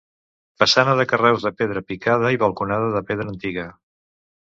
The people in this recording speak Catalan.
Façana de carreus de pedra picada i balconada de pedra antiga.